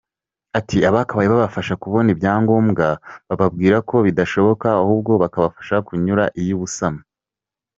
Ati “Abakabaye babafasha kubona ibyangombwa, bababwira ko bidashoboka ahubwo bakabafasha kunyura iy’ubusamo.